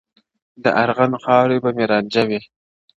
• د ارغند خاوري به مي رانجه وي -